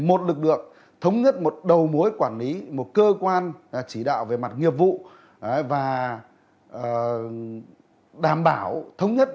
một lực lượng thống nhất một đầu mối quản lý một cơ quan chỉ đạo về mặt nghiệp vụ và đảm bảo thống nhất